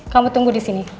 kamu tunggu disini